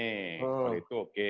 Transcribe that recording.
kalau itu oke